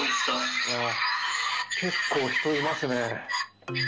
結構、人いますね。